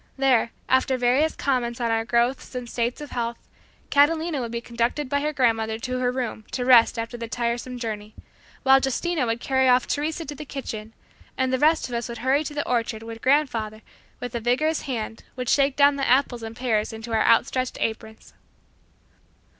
There, after various comments on our growths and states of health, Catalina would be conducted by her grandmother to her room to rest after the tiresome journey, while Justina would carry off Teresa to the kitchen, and the rest of us would hurry to the orchard where grandfather with a vigorous hand would shake down the apples and pears into our outstretched aprons.